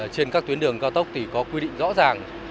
trên các tuyến đường cao tốc thì có quy định rõ ràng